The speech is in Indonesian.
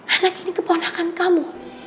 anak ini keponakan kamu